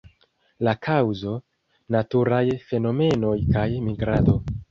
La kaŭzo: naturaj fenomenoj kaj migrado.